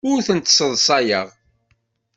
Ur tent-sseḍsayeɣ.